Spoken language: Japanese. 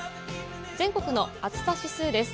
全国の暑さ指数です。